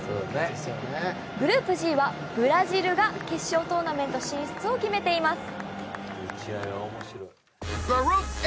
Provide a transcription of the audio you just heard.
グループＧは、ブラジルが決勝トーナメント進出を決めています。